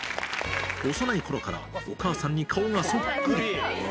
幼いころから、お母さんに顔がそっくり。